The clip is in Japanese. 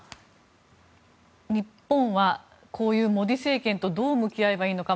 日本はこういうモディ政権とどう向き合えばいいのか。